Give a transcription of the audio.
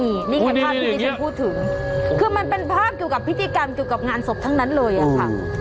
นี่นี่คือภาพที่ที่ฉันพูดถึงคือมันเป็นภาพเกี่ยวกับพิธีกรรมเกี่ยวกับงานศพทั้งนั้นเลยอะค่ะ